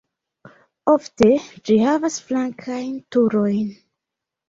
Ofte ĝi havas flankajn turojn.